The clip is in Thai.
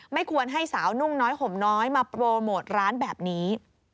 ไม่ควรให้สาวนุ่งน้อยห่มน้อยมาโปรโมทร้านแบบนี้